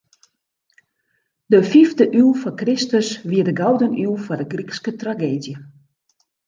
De fiifde iuw foar Kristus wie de gouden iuw foar de Grykske trageedzje.